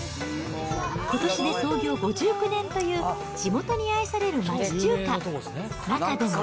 ことしで創業５９年という地元に愛される街中華。